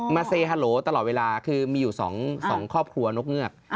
มาส่งสวัสดีตลอดเวลาคือมีอยู่๒ครอบครัวนกเงือก